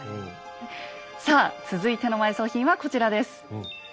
さあ続いての埋葬品はこちらです。